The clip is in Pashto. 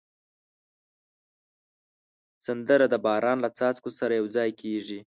سندره د باران له څاڅکو سره یو ځای کېږي